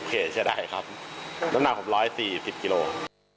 ไปดูการทดลอง